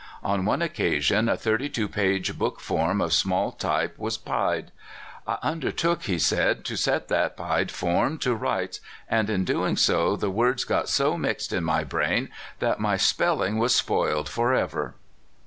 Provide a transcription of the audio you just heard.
On one occasion a thirty two page book form of small type was " pied/' " I undertook," said he, "to set that pied form to rights, and, in doing so, the words got so mixed in my brain that my spelling was spoiled forever!"